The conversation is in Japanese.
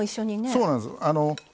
そうなんです。